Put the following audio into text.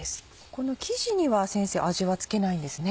この生地には先生味は付けないんですね。